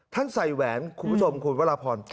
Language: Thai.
ท่านใส่แหวนคุณผู้ชมคุณวัลพร